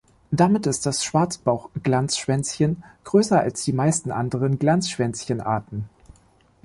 Damit ist das Schwarzbauch-Glanzschwänzchen größer als die meisten anderen Glanzschwänzchen-Arten.